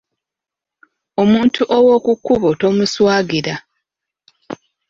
Omuntu ow'oku kkubo tomuswagira.